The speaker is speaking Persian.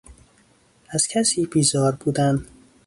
از کسی بیزار بودن